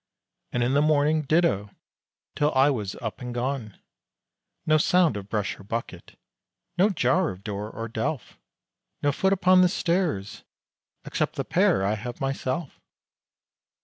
And in the morning ditto, till I was up and gone. No sound of brush or bucket! no jar of door, or delph! No foot upon the stairs, except the pair I have myself!